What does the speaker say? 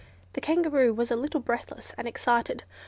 The Kangaroo was a little breathless and excited.